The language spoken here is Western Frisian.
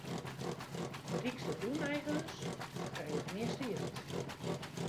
De rykste grûneigeners krije it measte jild.